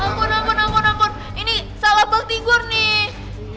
ampun ampun ampun ampun ini salah bang tigor nih